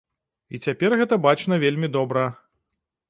І цяпер гэта бачна вельмі добра.